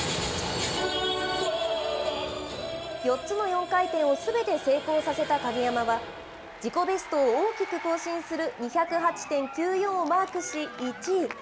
４つの４回転をすべて成功させた鍵山は、自己ベストを大きく更新する２０８．９４をマークし、１位。